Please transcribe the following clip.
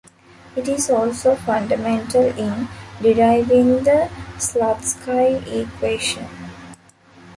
It is also fundamental in deriving the Slutsky equation.